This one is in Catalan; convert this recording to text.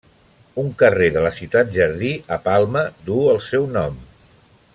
Un carrer de la Ciutat Jardí, a Palma, duu el seu nom.